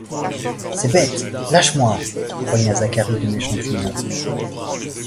C’est bête, lâche-moi ! grogna Zacharie de méchante humeur